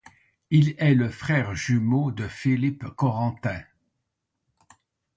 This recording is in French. Il est le frère jumeau de Philippe Corentin.